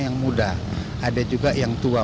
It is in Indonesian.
yang muda ada juga yang tua